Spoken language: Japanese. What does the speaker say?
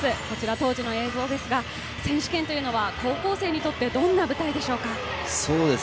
こちら当時の映像ですが、選手権というのは高校生にとってどういうものでしょうか？